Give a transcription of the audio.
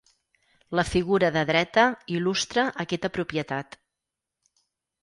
La figura de dreta il·lustra aquesta propietat.